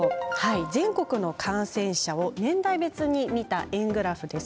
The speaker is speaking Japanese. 全国の感染者を年代別に見た円グラフです。